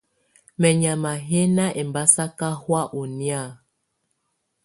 Mɛ̀nyàma yɛ̀ nà ɛmbasaka hɔ̀á ù nɛ̀́á.